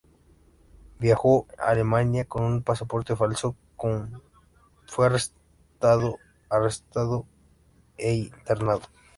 Viajó a Alemania con un pasaporte falso, cuando fue arrestado arrestado e internado.